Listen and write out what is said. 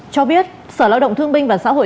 cho biết sở lao động thương binh và xã hội